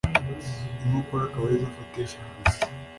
inkokora akaba arizo afatisha hasi